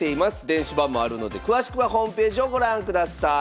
電子版もあるので詳しくはホームページをご覧ください。